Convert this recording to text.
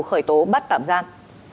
khởi tố bắt tạm gian